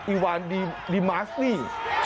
อิวารดีมาร์กซี่